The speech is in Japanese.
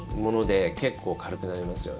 結構軽くなりますよね。